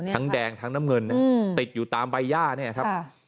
แดงทั้งน้ำเงินติดอยู่ตามใบย่าเนี่ยครับ